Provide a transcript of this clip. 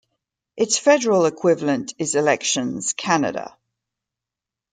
Its federal equivalent is Elections Canada.